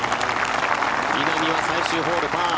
稲見は最終ホール、パー。